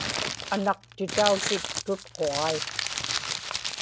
anaqtitautit tutquġai